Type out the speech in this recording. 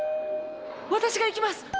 私が行きます！